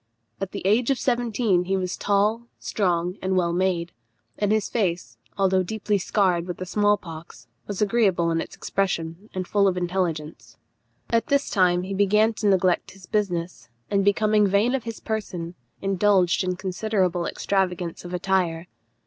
At the age of seventeen he was tall, strong, and well made; and his face, although deeply scarred with the small pox, was agreeable in its expression, and full of intelligence. At this time he began to neglect his business, and becoming vain of his person, indulged in considerable extravagance of attire.